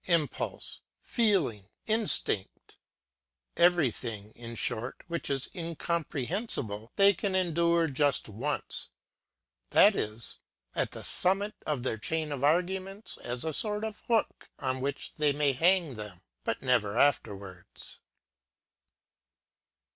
Impulse, feeling, instinct everything, in short, which is incomprehensible, they can endure just once that is, at the summit of their chain of arguments as a sort of hook on which they may hang them, but never afterwards.